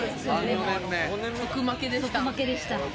即負けでした。